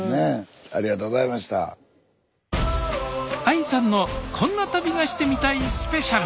ＡＩさんの「こんな旅がしてみたいスペシャル」。